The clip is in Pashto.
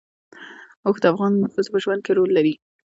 اوښ د افغان ښځو په ژوند کې رول لري.